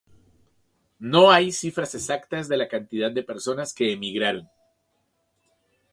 No hay cifras exactas de la cantidad de personas que emigraron.